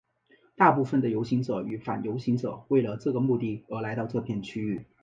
大部分的游行者与反游行者为了这个目的而来到这片区域。